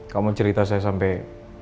kamu cerita saya sampai